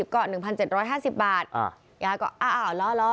ก็๑๗๕๐บาทอ่ะยายก็เขาล้อ